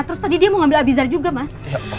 terus tadi dia mau ngambil abizar juga mas